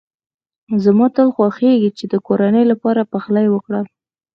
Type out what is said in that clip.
زما تل خوښېږی چي د کورنۍ لپاره پخلی وکړم.